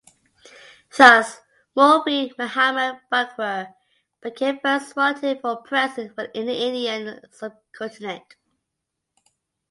Thus Moulvi Mohammad Baqir became first martyr for press in the Indian Subcontinent.